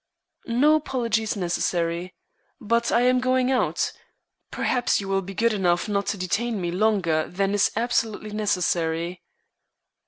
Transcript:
"No apology is necessary. But I am going out. Perhaps you will be good enough not to detain me longer than is absolutely necessary."